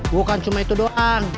bukan cuma itu doang